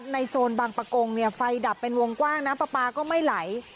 โซนบางประกงไฟดับเป็นวงกว้างน้ำปลาปลาก็ไม่ไหล